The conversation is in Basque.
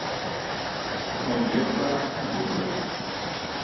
Non bihotza, han burua